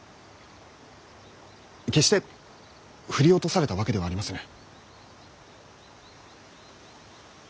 決して振り落とされたわけではありませぬ。